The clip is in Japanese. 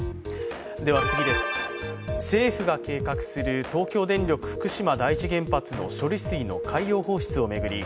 政府が計画する東京電力福島第一原発の処理水の海洋放出を巡り